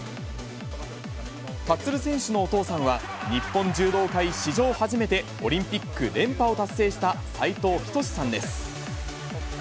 立選手のお父さんは、日本柔道界史上初めて、オリンピック連覇を達成した斉藤仁さんです。